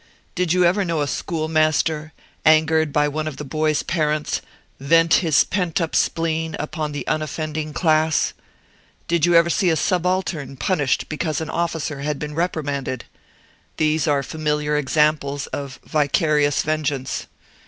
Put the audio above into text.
Did you ever know a schoolmaster, angered by one of the boy's parents, vent his pent up spleen upon the unoffending class? Did you ever see a subaltern punished because an officer had been reprimanded? These are familiar examples of vicarious vengeance.